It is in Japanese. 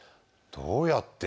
どうやって？